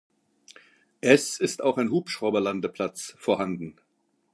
Es ist auch ein Hubschrauberlandeplatz vorhanden.